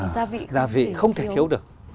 gia vị không thể thiếu được